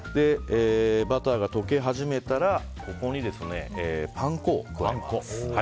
バターが溶け始めたらここにパン粉を加えます。